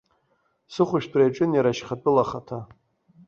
Сыхәышәтәра иаҿын иара, шьхатәыла ахаҭа.